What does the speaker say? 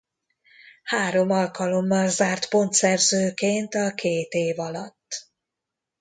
Három alkalommal zárt pontszerzőként a két év alatt.